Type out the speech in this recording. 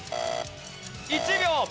１秒！